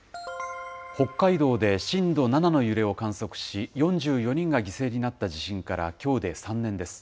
北海道で震度７の揺れを観測し、４４人が犠牲になった地震からきょうで３年です。